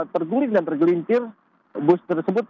terguling dan tergelintir bus tersebut